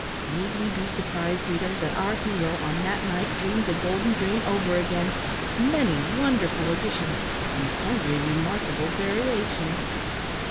Need we be surprised, reader, that our hero on that night dreamed the golden dream over again, with many wonderful additions, and sundry remarkable variations.